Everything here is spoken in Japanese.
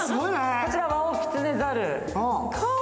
こちらワオキツネザル。